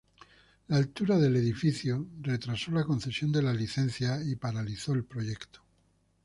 La altura del edificio retrasó la concesión de la licencia y paralizó el proyecto.